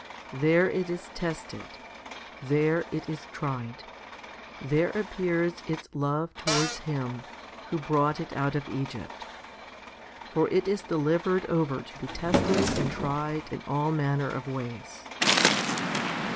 There it is tested ; there it is tried ; there appears its love towards Him who brought it out of Egypt. For it is delivered over to be tested and tried in all manner of ways.